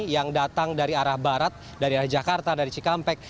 yang datang dari arah barat dari arah jakarta dari cikampek